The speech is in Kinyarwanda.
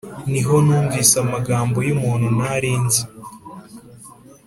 Niho numvise amagambo yumuntu ntarinzi